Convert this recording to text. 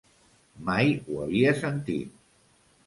Mai ho havia sentit.